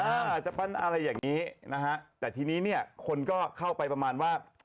อาจจะปั้นอะไรอย่างนี้นะฮะแต่ทีนี้เนี่ยคนก็เข้าไปประมาณว่า